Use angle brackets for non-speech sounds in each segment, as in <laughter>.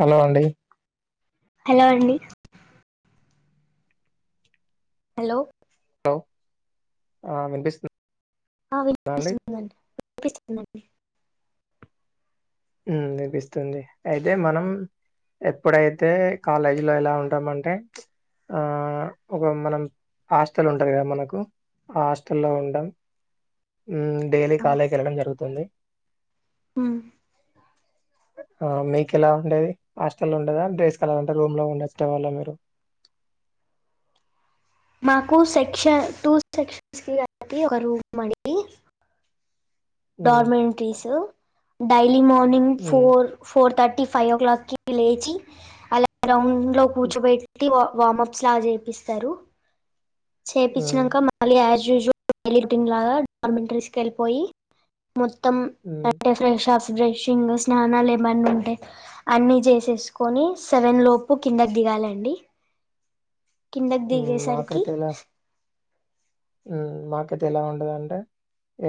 Hello అండి hello అండి hello hello ఆ వినిపిస్తుం ఆ వినిపిస్తుంది అండి వినిపిస్తుంది అండి ఉమ్ వినిపిస్తుంది. అయితే మనం ఎప్పుడైతే కాలేజీ లో ఎలా ఉంటామ అంటే ఆ ఒక మనం హాస్టల్ ఉంటది కదా మనకు ఆ హాస్టల్లో ఉంటాం. డైలీ ఆ కాలేకి వెళ్ళడం జరుగుతుంది. ఉమ్ ఆ మీకు ఎలా ఉండేది. హాస్టల్ ఉండేదా, డే స్కాలర్ అంటే రూమ్ లో ఉండేటివాళ్ల మీరు. మాకు సెక్షన్ టూ సెక్షన్స్ కి కలిపి ఒక రూమ్ అండి. హ్మ్ డార్మెంట్రీసు డై ఎర్లీ మార్నింగ్ హ్మ్ four four thirty tea five ఓ క్లాక్కిి లేచి అల్లారం ఇంట్లో కూర్చోబెట్టి వా వామప్స్ లా చేపిస్తరు. హ్మ్ చేపచ్చినంక మళ్ళీ యాస్ యుస్వల్ <inaudible> టింగ్ లాగా డార్మెంటరీస్కి వెళ్ళిపోయి మొత్తం హ్మ్ అంటే ఫ్రేష్అప్స్ బ్రెషింగ్, స్నానాలు ఏమన్న ఉంటే అన్ని చేసేసుకొని సెవెన్ లోపు కిందకి దిగాలండి. కిందకి హ్మ్ దిగేసరికి హుమ్ మాకైతే ఎలా ఉండేదంటే,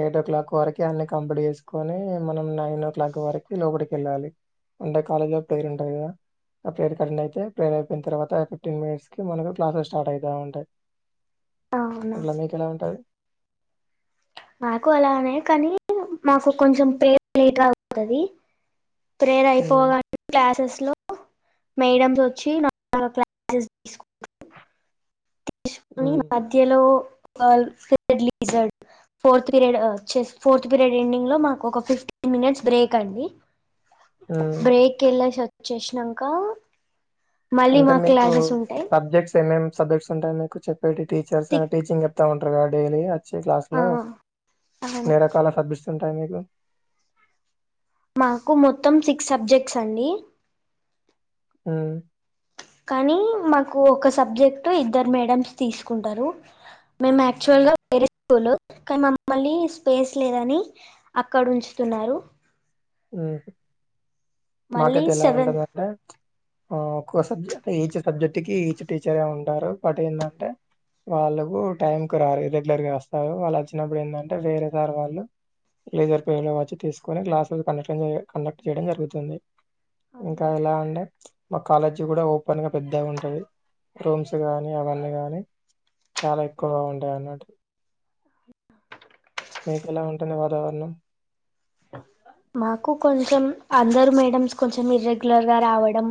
ఎయిట్ ఓ క్లాక్ వరకు అన్ని కంప్లీట్ చేసుకొని, మనం నైన్ ఓ క్లాక్ వరకు లోపడికి వెళ్ళాలి. అంటే కాలేజ్లో ప్రేర్ ఉంటది కదా ఆ ప్రేర్ కి అటెండ్ అయితే, ప్రేర్ అయిపోయిన తర్వాత ఫిఫ్టీన్ మినిట్స్కి మనకు క్లాసెస్ స్టార్ట్ అయితా ఉంటాయి. అవునా అట్లా మీకు ఎలా ఉంటది. మాకు అలానే కానీ మాకు కొంచెం ప్రేర్ లేట్ అవుతది ప్రేర్ ఉమ్, అయిపోవగానే క్లాసెస్ లో మేడమ్స్ వచ్చి క్లాస్ తీసుకు తీసుకొని ఉమ్. మధ్యలో all <unintelligible> leisure fourth period chess fourth period ending లో మాకు ఒక ఫిఫ్టీన్ మినిట్స్ బ్రేక్ అండి. ఉమ్. బ్రేక్ ఎల్లేసి వచ్చేసినంక మళ్ళీ అంటే మా మీకు క్లాసెస్ ఉంటాయి సబ్జెక్ట్స్ ఏమేం సబ్జెక్ట్స్ ఉంటాయి. మీకు చెప్పేటి టీచర్స్ ఆ సిక్ టీచింగ్ చెప్తాన్ అంట్రగా డైలీ క్లాస్ ఆ లో అవును నేరకాల అదుష్ టైమింగ్ మాకు మొత్తం సిక్స్ సబ్జెక్ట్స్ అండి. ఉమ్, కానీ మాకు కు ఒక సబ్జెక్ట్ ఇద్దరు మేడమ్స్ తీసుకుంటరు. మేము యాక్టువల్ గా వేరే స్కూల్ కానీ మమ్మల్ని స్పేస్ లేదని అక్కడ ఉంచుతున్నారు. ఊహ్ మళ్ళీ మాకైతే ఎలా సెవెంత్ ఉంటదంటే ఆ క్కువ సబ్జెక్ట్ ఈచ్ సబ్జెక్ట్ కి ఈచ్ టీచరే ఉంటారు. బట్ ఏందంటే వాళ్ళకు టైం కు రారు ఇరెగ్యులర్ గా వస్తారు. వాళ్ళు వచ్చినప్పుడు ఏందంటే, వేరే సార్ వాళ్ళు లేజర్ పేరు వచ్చి తీసుకొని క్లాస్ జు కండక్షన్ కండక్ట్ చేయడం జరుగుతుంది ఇంకా ఎలా ఉండే మా కాలేజీ కూడా ఓపెన్గా పెద్ద గ ఉంటది. రూమ్స్ కానీ అవన్నీ కానీ చాలా ఎక్కువగా ఉంటాయి. అన్నటు మీకు ఎలా ఉంటుంది వాతావరణం మాకు కొంచెం అందరు మేడమ్స్ కొంచెం ఇర్రెగ్యులర్ గా రావడం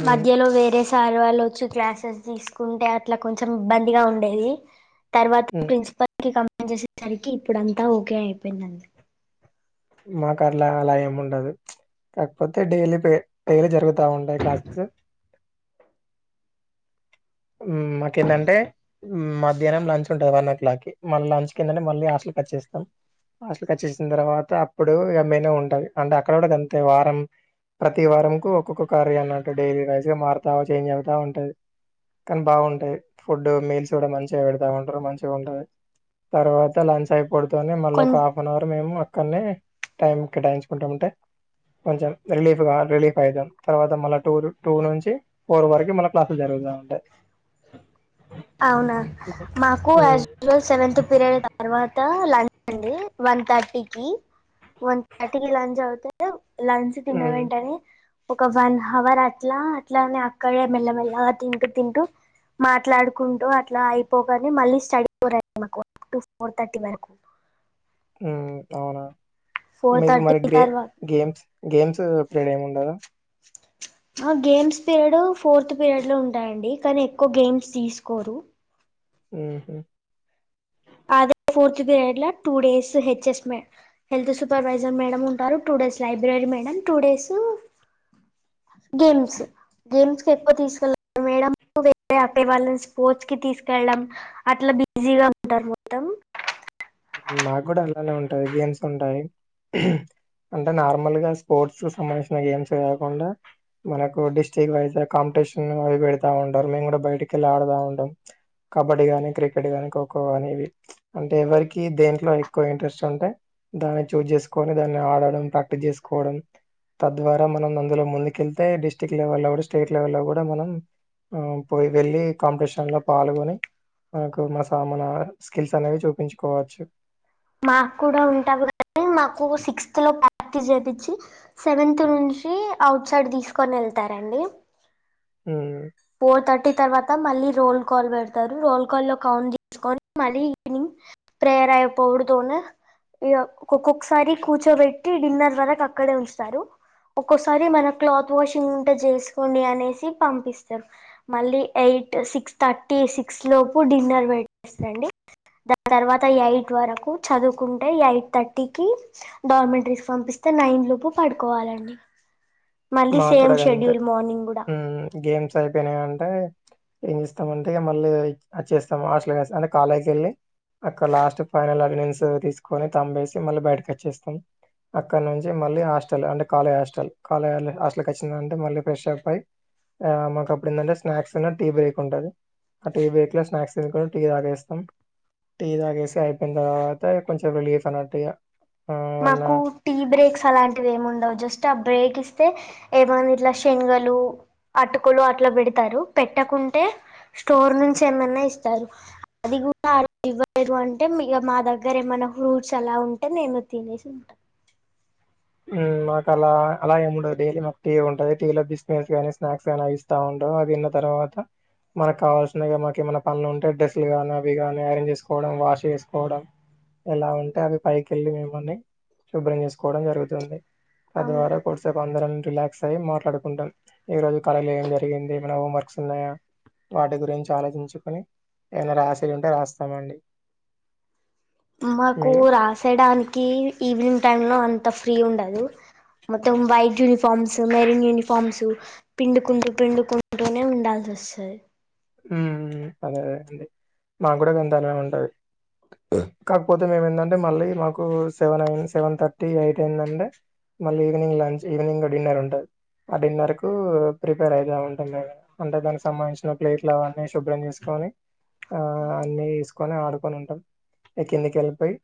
హ్మ్. మధ్యలో వేరేస్ సార్ వాల్లు వచ్చి క్లాసెస్ తీసుకుంటే అట్లా కొంచెం ఇబ్బందిగా ఉండేది. తర్వాత హ్మ్. ప్రిన్సిపల్ కమెంట్ చేసేసరికి ఇప్పుడంతా ఓకే అయిపోయిందండి మా కర్లా అలా ఏమి ఉండదు. కాకపోతే డైలీ పే డైలీ జరుగుతా ఉంటాయి క్లాసెస్. మాకేంటంటే మధ్యాహ్నం లంచ్ ఉంటది. వన్ ఓ క్లాక్ కి మళ్ళీ లంచ్ కి ఏందంటే, మళ్ళీ హాస్టల్ కట్ చేస్తాం. హాస్టల్ కట్ చేసిన తర్వాత అప్పుడు నేను ఉం ది అంటే అక్కడ గూడ గంతేవ ప్రతి వారం కు ఒక్కొక్క కార్య అన్నట్టు డైలీ వైజ్ గా మారుతా చేంజ్ అవుతా ఉంటది కానీ బాగుంటాయి. ఫుడ్ మీల్స్ కూడా మంచిగా పెడతా ఉంటరు. మంచిగా ఉంటది. తర్వాత లంచ్ అయిపో పడుతానే మళ్ళీ ఒక కొం హాఫ్ అన్ అవర్ మేము అన్ని టైం కేటాయించుకుంటా ఉంటే కొంచెం రిలీఫ్గా రిలీఫ్ అయిదాం. తర్వాత మళ్ళ టూ టూ నుంచి ఫోర్ వరకు మళ్ళ క్లాసులు జరుగుతయి అంటే అవునా మాకు యాజ్ యూవల్ సెవెన్ పీరియడ్ తర్వాత లంచ్ అండి వన్ థర్టీకి వన్ థర్టీకిి లంచ్ అవుతే లంచ్ తిన్న హ్మ్. వెంటనే ఒక వన్ హవర్ అట్లా అట్లానే అక్కడే మెల్లమెల్లగా తింటూ తింటూ మాట్లాడు కుంటూ అట్లా అయిపోగానే మళ్ళీ స్టడీ పోరడి మాకు టు ఫోర్ థర్టీ వరకు అవునా ఫోర్ మీకు థర్టీ మరి గేమ్ తర్వాత గేమ్స్ గేమ్స్ ప్రీడ్ ఏమి ఉండదు ఆ ఆ గేమ్స్ పీరియడ్ ఫోర్త్ పీరియడ్ లో ఉంటాయండి కానీ ఎక్కువ గేమ్స్ తీసుకోరు ఆహ అదే ఫోర్త్ పీరియడ్ లో టూ డేస్ హెచ్ఎస్ మే హెల్త్ సూపర్వైజర్ మేడం ఉంటారు two days library madam two days games games కి ఎక్కువ తీసుకెళ్లి మేడం వాళ్ళని స్పోర్ట్స్ కి తీసుకెళ్ళడం అట్లా బిజీగా ఉంటర్ మొత్తం మాకు కూడా అలానే ఉంటాయి గేమ్స్ ఉంటాయి అంటే నార్మల్గా స్పోర్ట్స్ కు సంబంధించిన గేమ్స్ కాకుండా మనకు డిస్టిక్ వైజ్ కాంపిటీషన్ అవి పెడతా ఉంటారు మేము కూడా బయటికి వెళ్ళి ఆడుతా ఉంటాం కబడ్డీ గానీ క్రికెట్ కానీ ఖోఖో కానీ ఇవి అంటే ఎవరికి దేంట్లో ఎక్కువ ఇంట్రెస్ట్ ఉంటే దాన్ని చూజ్ చేసుకొని దాన్ని ఆడడం ప్రాక్టీస్ చేసుకోవడం తద్వారా మనం అందులో ముందుకెళ్తే డిస్టిక్ట్ లెవెల్ లో కూడా స్టేట్ లెవెల్ లో కూడా మనం పోయి వెళ్ళి కాంపిటీషన్ లో పాల్గొని మనకు మ మన స్కిల్స్ అనేవి చూపించు కోవచ్చు మాకు కూడా ఉంటావు కానీ మాకు సిక్స్త్ లో ప్రాక్టీస్ చేయిించి సెవెన్త్ నుంచి అఔట్ సైడ్ తీసుకొని వెళ్తారండి హ ఫోర్ థర్టీ తర్వాత మళ్ళీ రోల్ కాల్ పెడతారు రోల్ కాల్ లో కౌన్ తీసుకొని మళ్ళీ ఈవినింగ్ ప్రేయర్ అయిపోవడతోనే ఒక్కొక్కసారి కూర్చోబెట్టి డిన్నర్ వరకు అక్కడే ఉంచుతారు ఒక్కొసారి మన క్లాత్ వాషింగ్ ఉంటే చేసుకోండి అనేసి పంపిస్త సార్ మళ్ళీ ఎయిట్ సిక్స్ థర్టీ సిక్స్ లోపు డిన్నర్ పెట్టేస్తండి దాని తర్వాత ఎయిట్ వరకు చదువుకుంటే ఎయిట్ థర్టీకి డార్మెంటరీస్ పంపిస్తే నైన్ లోపు పడుకోవాలండి మళ్ళీ మాకు సేమ్ కూడా షెడ్యూల్ మార్నింగ్ కూడా అంటే ఏం చేస్తాంంటే మళ్ళ వచ్చేస్తాం హాస్టల్ అంటే కాలేజ వెళ్ళి అక్కడ లాస్ట్ ఫైనల్ అటెన్స్ తీసుకొని తేసి మళ్ళీ బయటకి వచ్చేస్తాం అక్కడ నుంచి మళ్ళీ హస్టల్ అంటే కాల హాస్టల్ అసలు కచ్చిందంటే మళ్ళీ ఫ్రెష్ అప్ అయి ఆ మాకు అప్పుడు ఏంటంటే స్నాక్స్ అన్నా టీ బ్రేక్ ఉంటది ఆ టీ బ్రేక్ లో స్నాక్స్ తీ టీ తాగేస్తాం టీ తాగేసి అయిపోయిన తర్వాత కొంచెం రిలీఫ్ అయినట్టిగా మాకు టీ బ్రేక్స్ అలాంటివి ఏమి ఉండవు జస్ట్ ఆ బ్రేక్ ఇస్ ఏమైన్నా ఇట్లా శనగలు అటుకులు అట్లా పెడతారు పెట్టకుంటే స్టోర్ నుంచి ఏమన్నా ఇస్తారు అది కూడా ఇవ్వరు అంటే మీ మా దగ్గర ఏమన్నా ఫ్రూట్స్ అలా ఉంటే నేను తినేసి ఉంటాం ఉమ్ మాకు అలా అలా ఏముండదు డైలీ మాకు టీ ఉంటది టీలో బిస్మిట్స్ కానీ స్నాక్స్ కాని ఇస్తా ఉంటరు అది తిన్న తర్వాత మనకు కావాల్సినవి మాకు ఏమైనా పండ్లు ఉంటే డ్రెస్సులుగాని అవి కాని అరేంజ్ చేసుకోవడం వాష్ చేసుకోవడం ఇలా ఉంటే అవి పైకెళ్ళి మిమ్మల్ని శుభ్రం చేసుకోవడం జరుగుతుంది <inaudible> అవునా ఆదివారం కొద్దిసేపు అంద్రం రిలాక్ అ మాట్లాడుకుంటాం ఈ రోజు కాలేజీ ఏం జరిగింది ఏమైనా హోం వర్క్స్ ఉన్నాయా వాటి గురించి ఆలోచించుకని ఏమైనా రాసేవి ఉంటే రాస్తామ అండి మాకు రాసేడానికి ఈవినింగ్ టైమ్ లో అంత ఫ్రీ ఉండదు మొత్తం వైట్ యూనిఫామ్స్ మెరన్ యూనిఫార్మ్స్ పిండుకుంటూ పిండుకుంటూనే ఉండాల్సి వస్తది ఉమ్ అదేదే అండి మాకు కూడా ఎంతనే ఉంటుంది కాకపోతే మేము ఏంటంటే మళ్ళీ మాకు సెవెన్ ఐన్ సెవెన్ థర్టీ ఎయిట్ ఏంటంటే మళ్ళీ ఈవినింగ్ లంచ్ ఈవినింగ్ డిన్నర్ ఉంటుంది ఆ డిన్నర్ కు ప్రిపేర్ అవుతూ ఉంటాం మేము అంటే దానికి సంబంధించిన ప్లేట్లు అవన్నీ శుభ్రం చేసుకొని ఆ అన్నీ కని ఆడుకొని ఉంటాం ఈ కిందికి వెళ్ళిపోయి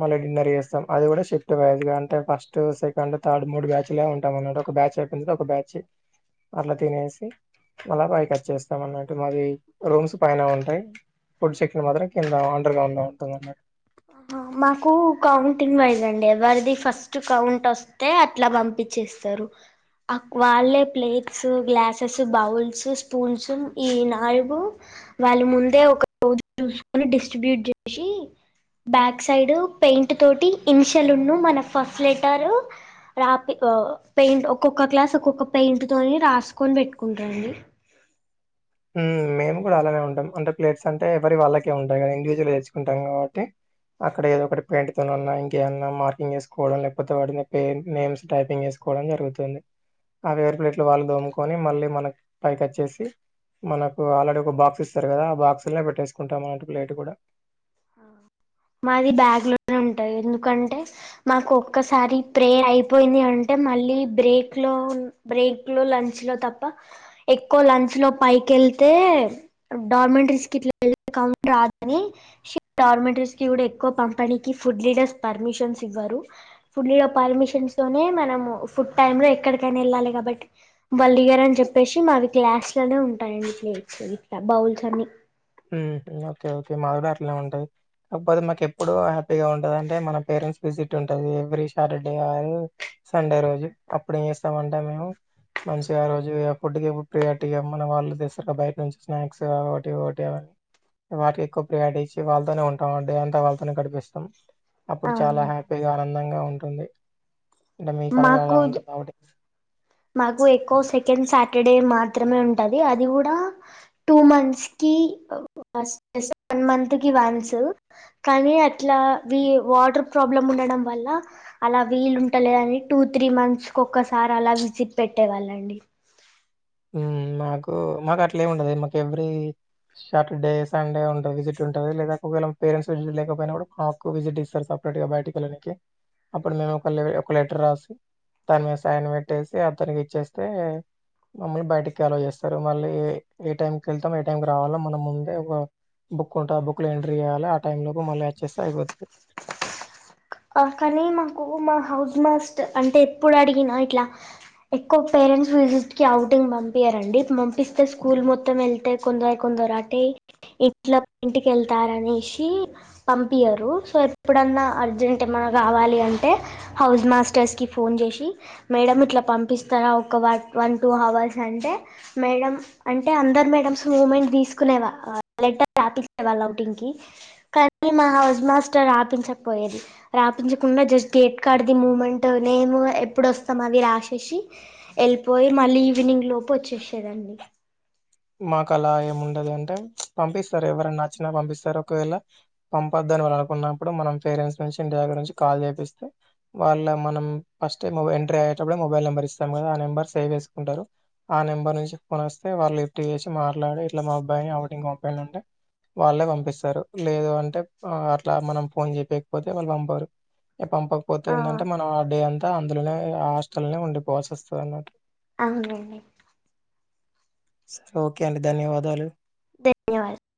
మళ్ళీ డిన్నర్ చేస్తాం అది కూడా షిఫ్ట్ బజ్గా అంటే ఫస్ట్ సెకండ్ థర్డ్ మూడు బ్యాచ్లా ఉంటాం అన్న ఒక బ్యాచ్ అయిపోంది ఒక బ్యాచ్ అట్లా తినేసి మళ్ళ పైకొచ్చేస్తాం ట్ మాది రూమ్స్ పైన ఉంటాయి ఫుడ్ సెక్ మాత్రం కింద అండర్ గ్రౌండ్ లో ఉంటుందన్నమాట మాకు కౌంటింగ్ వైజ్ అండి ఎవరిది ఫస్ట్ కౌంట్ వస్తే అట్లా పంపించేస్తారు అక్ వాళ్ళే ప్లేట్స్ గ్లాసెస్ బౌల్స్ స్పూన్స్ ఈ నాలుగు వాళ్ళ ముందే ఒక రోజు చూసుకొని డిస్ట్రిబ్యూట్ చేసి బ్యాక్ సైడ్ పెయింట్ తోటి ఇన్షల్న్న మన ఫస్ట్ లెటర్ రాపి పెయింట్ ఒక్కొక్క గ్లాస్ ఒక్కొక్క పెయింట్ తోని రాసుకొని పెట్టుకుంటాండి ఉమ్ మేము కూడా అలానే ఉంటాం అంటే ప్లేట్స్ అంటే ఎవరి వాళ్ళకే ఉంటాయి కా ఇండివిజువల్ తెచ్చుకుంటాం కాబట్టి అక్కడ ఏదో ఒకటి పెయింట్తో ఉన్నా ఇంకేమన్నా మార్కింగ్ చేసుకోవడం లేకపోతే వాటిని నేమ్స్ టైపింగ్ చేసుకోవడం జరుగుతుంది అవి ఎవరి ప్లేట్లు వాళ్ళు దోముకొని మళ్ళీ మనకు పైకి వచ్చేసి మనకు ఆల్రెడీ ఒక బాక్స్ ఇస్తారు కదా ఆ బాక్సునే పెట్టేసుకుంటాం అ ప్లేట్ కూడా మాది బ్యాగ్ లోనే ఉంటాయి ఎందుకంటే మాకు ఒక్కసారి ప్రే అయిపోయింది అంటే మళ్ళీ బ్రేక్ లో బ్రేక్ లో లంచ్ లో తప్ప ఎక్కువ లంచ్ లో పైకి వెళ్తే డార్మెంటరీస్ కట్లా క రాదని డార్మెంటరీస్ ఇవిడ ఎక్కువ పంపిణీకి ఫుడ్ లీడర్స్ పర్మిషన్స్ ఇవ్వరు ఫుడ్ లీడర్ పర్మిషన్స్ తోనే మనము ఫుడ్ టైమ్ లో ఎక్కడికైనా వెళ్ళాలి కాబట్టి వాళ్ళు దిగరని చెప్పేసి మావి గ్లాస్ లోనే ఉంటాయిండి ప్లేట్స్ ఇట్లా బౌల్స్ అన్ని ఉమ్ ఓకే ఓకే మాది కూడా అట్లనే ఉంటది కాకపోతే మాకు ఎప్పుడు హ్యాపీగా ఉంటది అంటే మన పేరెంట్స్ విజిట్ ఉంటది ఎవ్రీ సాటర్డే సండే రోజు అప్పుడ ఏం చేస్తామ అంటే మేము మంచిగా రోజు ఫుడ్కిప్పుడు ప్రియర్టీగా మన వాళ్ళు తెస్తారు బయట నుంచి స్నాక్స్ కాటి వాటికి ఎక్కువ ప్రియాటీ ఇచ్చి వాళ్ళతోనే ఉంటాం అంటడి అంతా వాళ్ళతోనే గడిపిస్తాం అప్పుడు చాలా అవునండి హ్యాపీగా ఆనం అందంగా ఉంటుంది అంటే మీ కాలేజ్ అలా మాకు ఉంటది కాబట్టి మాకు ఎక్కువ సెకండ్ సాటర్డే మాత్రమే ఉంటది అది కూడా టూ మంత్స్ కి వన్ మంత్ కి వన్స్ కానీ అట్లా వి వాటర్ ప్రాబ్లమ్ ఉండడం వల్ల అలా వీలు ఉంటలేదని టూ త్రీ మంత్స్ కి ఒక్కసారి అలా సిప్పెట్టేవాళ్ళండి ఉమ్ మాకు మాకు అట్లేమీ ఉండదు మాకు ఎవ్రీ షాటర్డే సండే ఉంటుంది విజిట్ ఉంటది లేదా ఒకవేళ పేరెంట్స్ విజిట్ లేకపోయినా కూడా మాకు విజిట్ ఇస్తారు సపరేట్గా బయటికి వెళ్ళనికి అప్పుడు మేము ఒక ఒక లెటర్ రాసి దాన్ని మేము సైన్ వేట్టేసి అతనికిచ్చేస్తే మమ్మల్ని బయటికి అలో చేస్తారు మళ్ళీ ఏ టైంకి వెళ్తాం ఏ టైంకి రావాలో మనం ముందే ఒక బుక్ ఉంటది ఆ బుక్లో ఎంట్రీ చేయాలి ఆ టైమ్ లోపూ మళ్ళీ వచ్చేస్తే అయిపోతది ఆ కానీ మాకు మా హౌస్ మాస్ట్ అంటే ఇప్పుడు అడిగినా ఇట్లా ఎక్కువ పేరెంట్స్ విజిట్ కి అవుటింగ్ పంపియరండి పంపిస్తే స్కూల్ మొత్తం వెళ్తే కొందరు కొందరురాటే ఇట్లా ఇంటికేళ్తారనేసి పంపియరు సో ఎప్పుడన్నా అర్జెంట్ టె ఏమన్నా కావాలి అంటే హౌస్ మాస్టర్స్ కి ఫోన్ చేసి మేడం ఇట్లా పంపిస్తారా ఒక వన్ టూ హవర్స్ అంటే మేడం అంటే అందరు మేడంస్ మూమెంట్ తీసుకునేవా లెటర్ రాపించేవాళ్ళు ఔటింగ్ కి కానీ మన హౌస్ మాస్టర్ రాపించకపోయేది రాపించకుండా జస్ట్ గేట్ కాడది మూమెంట్ మేము ఎప్పుడు వస్తాం అవి రాసేసి ఏళ్ళిపోయి మళ్ళీ ఈవినింగ్ లోపు వచ్చేసేదండి మాకు అలా ఏముండదు అంటే పంపిస్తారు ఎవరైనా నచ్చినా పంపిస్తారు ఒకవేళ పంపద్ధు అని వాళ్ళు అనుకున్నప్పుడు మనం పేరెంట్స్ నుంచి ఇంటి దగ్గర నుంచి కాల్ చేపిస్తే వాళ్ళ మనం ఫస్ట్ టైమ్ ఎంట్రీ అయ్యేటప్పుడే మొబైల్ నెంబర్ ఇస్తాం కదా ఆ నెంబర్ సేవ్ చేసుకుంటారు ఆ నెంబర్ నుంచి ఫోన్ వస్తే వాళ్ళు చేసి మాట్లాడి ఇట్లా మా అబ్బాయిని ఔటింగ్కి పంపియండి అంటే వాళ్ళే పంపిస్తారు లేదు అంటే అట్లా మనం ఫోన్ చెయకపోతే వాళ్ళు పంపియారు పంపకపోతే ఆ ఎందంటే మనం ఆ డే అం అందులోనే ఆ హాస్టల్నే ఉండిపోవాల్సి వస్తది అన్నట్టు అవునులేండి సరే ఓకే అండి ధన్యవాదాలు ధన్యవాదాం